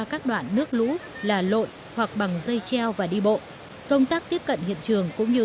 các đoạn nước lũ là lội hoặc bằng dây treo và đi bộ công tác tiếp cận hiện trường cũng như